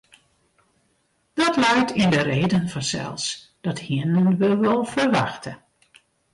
Dat leit yn de reden fansels, dat hienen we wol ferwachte.